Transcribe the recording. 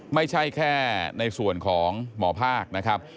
ไม่ใช่แค่ในส่วนของหมอภาคนะครับ